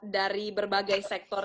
dari berbagai sektor